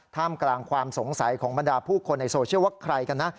ท่ามกลางความสงสัยของบรรดาผู้คนในโซเชียลว่าใครกันนะ